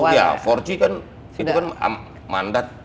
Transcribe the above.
ya empat g kan itu kan mandat